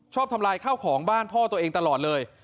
ทำลายข้าวของบ้านพ่อตัวเองตลอดเลย